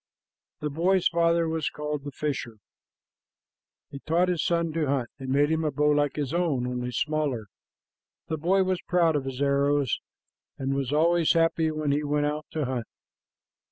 The boy's father was called the fisher. He taught his little son to hunt, and made him a bow like his own, only smaller. The boy was proud of his arrows, and was always happy when he went out to hunt.